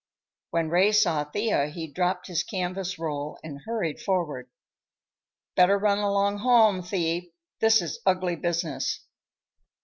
When Ray saw Thea, he dropped his canvas roll and hurried forward. "Better run along home, Thee. This is ugly business."